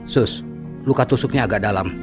sus luka tusuknya agak dalam